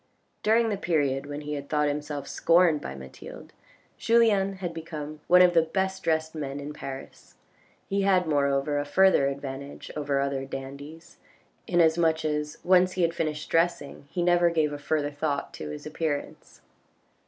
During the period when he thought himself scorned by Mathilde, Julien had become one of the best dressed men in Paris. He had, moreover, a further advantage over other dandies, in as much as once he had finished dressing he never gave a further thought to his appearance.